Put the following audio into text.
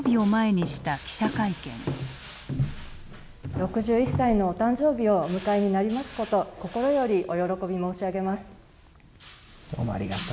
６１歳のお誕生日をお迎えになりますこと心よりお喜び申し上げます。